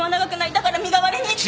「だから身代わりに」って。